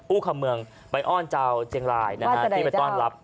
คำเมืองไปอ้อนเจ้าเจียงรายนะฮะที่ไปต้อนรับ